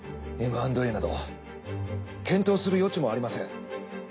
Ｍ＆Ａなど検討する余地もありません。